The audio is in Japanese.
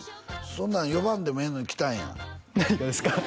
そんなん呼ばんでもええのに来たんや何がですか？